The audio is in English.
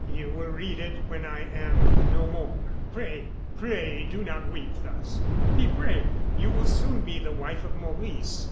"You will read it when I am no more. Pray, pray, do not weep thus! Be brave! You will soon be the wife of Maurice.